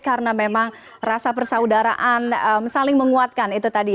karena memang rasa persaudaraan saling menguatkan itu tadi